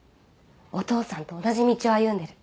お父さんと同じ道を歩んでる。